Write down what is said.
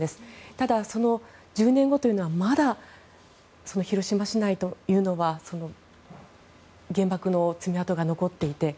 ただ、その１０年後というのはまだ広島市内は原爆の爪痕が残っていて。